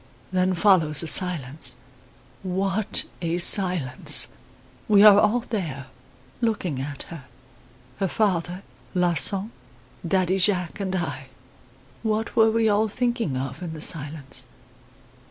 "Then follows a silence. What a silence! We are all there looking at her her father, Larsan, Daddy Jacques and I. What were we all thinking of in the silence?